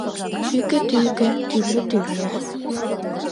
Тӱкӧ-тӱкӧ — тӱрлӧ-тӱрлӧ.